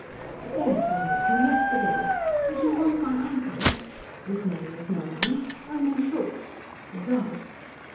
"Yes. I met him yesterday. Did you want my uncle? His name is Neumann. Neumann Schultz. He's out."